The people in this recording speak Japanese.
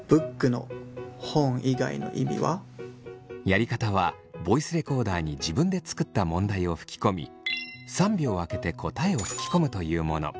やり方はボイスレコーダーに自分で作った問題を吹き込み３秒空けて答えを吹き込むというもの。